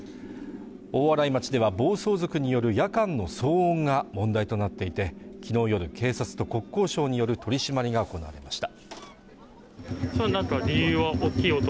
大洗町では暴走族による夜間の騒音が問題となっていて昨日夜、警察と国交省による取り締まりが行われました